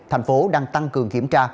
thành phố đang tăng cường kiểm tra